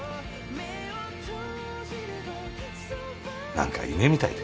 何か夢みたいで。